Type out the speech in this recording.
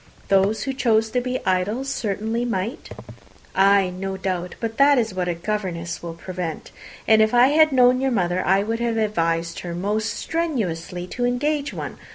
Those who chose to be idle certainly might." "Ay, no doubt: but that is what a governess will prevent; and if I had known your mother, I should have advised her most strenuously to engage one.